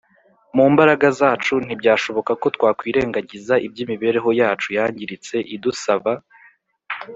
Mu mbaraga zacu ntibyashoboka ko twakwirengagiza iby’imibereho yacu yangiritse idusaba